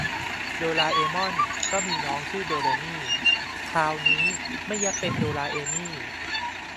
โดราเอมอนก็มีน้องชื่อโดเรมี คราวนี้ไม่ยักเป็นโดราเอมี